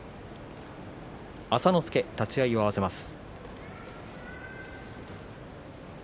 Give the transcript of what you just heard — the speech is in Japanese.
朝之助が立ち合いを合わせます。